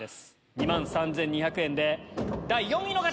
２万３２００円で第４位の方！